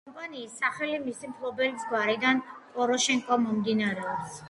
კომპანიის სახელი მისი მფლობელის გვარიდან, პოროშენკო მომდინარეობს.